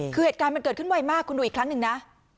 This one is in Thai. คือเหตุการณ์มันเกิดขึ้นไวมากคุณดูอีกครั้งหนึ่งนะ